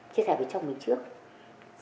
chia sẻ với chồng mình trước